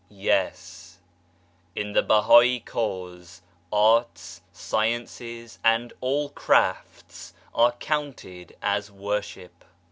Yes: In the Bahai cause arts, sciences and all crafts are (counted as) worship.